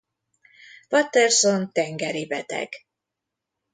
Patterson tengeri beteg.